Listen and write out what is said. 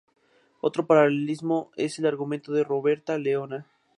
Otro paralelismo es el argumento de Roberta Leona.